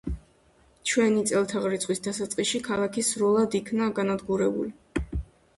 ჩვენი წელთაღრიცხვის დასაწყისში ქალაქი სრულად იქნა განადგურებული.